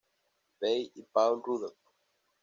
Pei y Paul Rudolph".